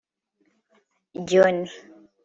John